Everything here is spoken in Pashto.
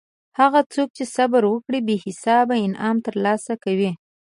هغه څوک چې صبر وکړي بې حسابه انعام ترلاسه کوي.